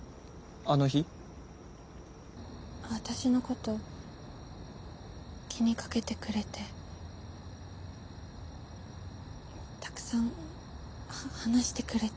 私のこと気にかけてくれてたくさん話してくれて。